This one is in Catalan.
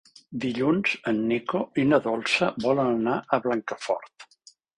Dilluns en Nico i na Dolça volen anar a Blancafort.